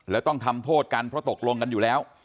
แล้วต้องทำโทษกันเพราะตกลงกันอยู่แล้ว